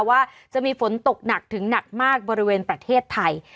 ว่าจะมีฝนตกหนักถึงหนักมากบริเวณประเทศไทย